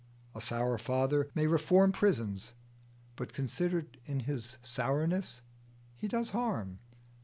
A sour father may reform prisons, but considered in his sourness he does harm.